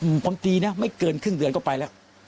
ไม่กี่วันผมดีนะไม่เกินครึ่งเดือนก็ไปแล้ว